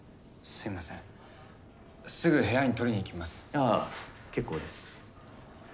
ああ結構です。